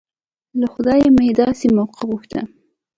له خدايه مې داسې موقع غوښته.